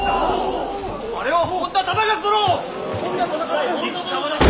あれは本多忠勝殿！